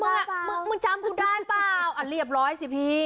มึงมึงจำกูได้เปล่าอ่ะเรียบร้อยสิพี่